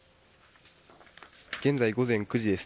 現在午前９時です。